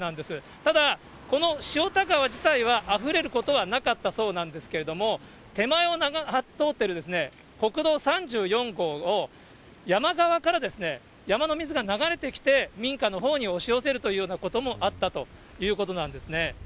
ただこの塩田川自体はあふれることはなかったそうなんですけれども、手前を通っている国道３４号を、山側から、山の水が流れてきて、民家のほうに押し寄せるというようなこともあったということなんですね。